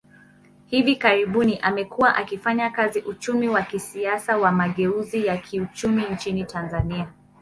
Hivi karibuni, amekuwa akifanya kazi uchumi wa kisiasa wa mageuzi ya kiuchumi nchini Tanzania.